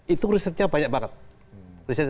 itu risetnya banyak banget